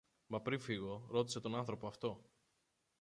Μα πριν φύγω, ρώτησε τον άνθρωπο αυτό